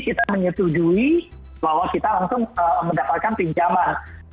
kita menyetujui bahwa kita langsung mendapatkan pinjaman